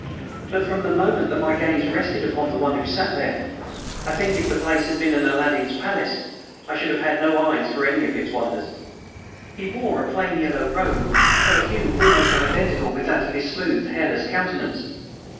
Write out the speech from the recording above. But from the moment that my gaze rested upon the one who sat there, I think if the place had been an Aladdin's palace I should have had no eyes for any of its wonders. He wore a plain yellow robe, of a hue almost identical with that of his smooth, hairless countenance.